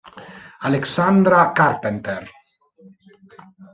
Alexandra Carpenter